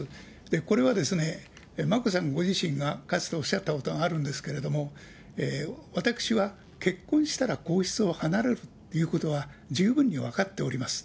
これは、眞子さんご自身が、かつておっしゃったことがあるんですけれども、私は結婚したら皇室を離れるということは、十分に分かっております。